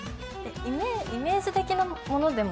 イメージ的なものでも。